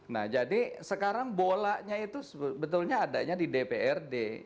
nah jadi sekarang bolanya itu sebetulnya adanya di dprd